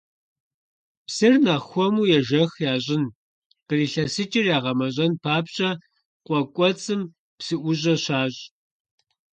Псыр нэхъ хуэму ежэх ящӀын, кърилъэсыкӀыр ягъэмэщӀэн папщӀэ къуэ кӀуэцӀым псыӀущӀэ щащӀ.